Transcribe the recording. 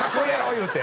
言うて。